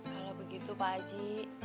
kalau begitu pak haji